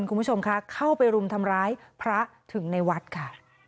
คุณผู้ชมค่ะเข้าไปรุมทำร้ายพระถึงในวัดค่ะ